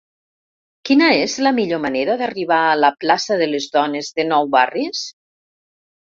Quina és la millor manera d'arribar a la plaça de Les Dones de Nou Barris?